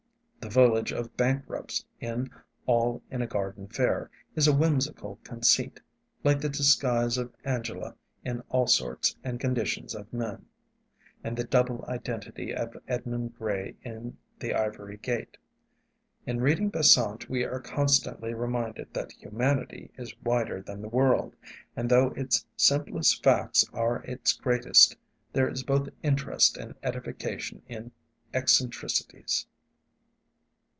The village of bankrupts in 'All in a Garden Fair' is a whimsical conceit, like the disguise of Angela in 'All Sorts and Conditions of Men,' and the double identity of Edmund Gray in 'The Ivory Gate.' In reading Besant we are constantly reminded that humanity is wider than the world; and though its simplest facts are its greatest, there is both interest and edification in eccentricities.